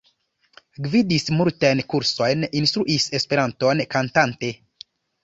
Gvidis multajn kursojn; instruis Esperanton kantante.